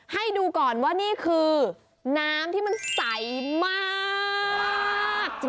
ให้ดูก่อนว่านี่คือน้ำที่มันใสมาก